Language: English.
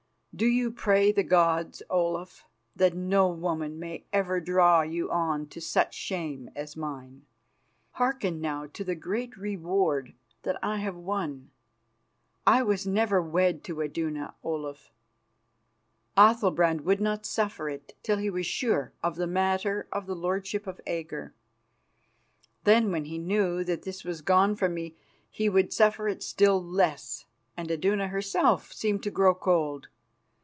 Do you pray the gods, Olaf, that no woman may ever draw you on to such shame as mine. Hearken now to the great reward that I have won. I was never wed to Iduna, Olaf. Athalbrand would not suffer it till he was sure of the matter of the lordship of Agger. Then, when he knew that this was gone from me, he would suffer it still less, and Iduna herself seemed to grow cold.